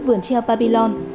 vườn treo babylon